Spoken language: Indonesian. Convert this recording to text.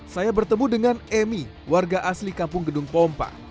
saya bertemu dengan emi warga asli kampung gedung pompa